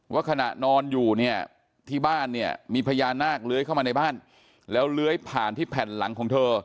ว่าขณะนอนอยู่เนี่ยที่บ้านเนี่ยมีพญานาคเลื้อยเข้ามาในบ้านแล้วเลื้อยผ่านที่แผ่นหลังของเธอ